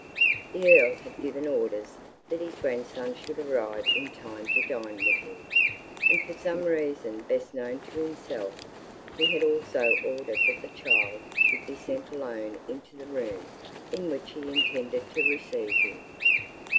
The Earl had given orders that his grandson should arrive in time to dine with him; and for some reason best known to himself, he had also ordered that the child should be sent alone into the room in which he intended to receive him.